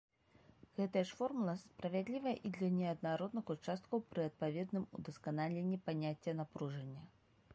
Гэтая ж формула справядліва і для неаднародных участкаў пры адпаведным удасканаленні паняцця напружання.